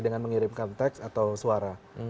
dengan mengirimkan teks atau suara